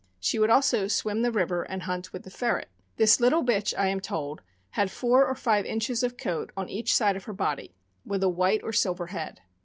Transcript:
She would also swim the river and hunt with the ferret. This little bitch, I am told, had four or five inches of coat on each side of her body, with a white or silver head.